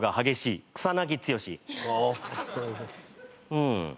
うん。